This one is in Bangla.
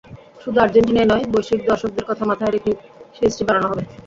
শুধু আর্জেন্টিনাই নয়, বৈশ্বিক দর্শকদের কথা মাথায় রেখেই সিরিজটি বানানো হবে।